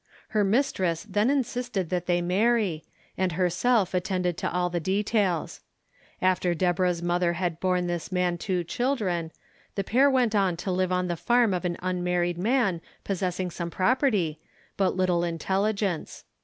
Her mistress then insisted that they marry, and herself attended to all the details. After Deborah's mother had borne this man WHAT IT MEANS 65 two children, the pair went to live on the farm of an unmarried man possessing some property, but little intelligence.